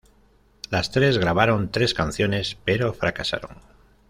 Las tres grabaron tres canciones, pero fracasaron.